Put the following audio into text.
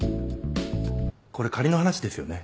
これ仮の話ですよね？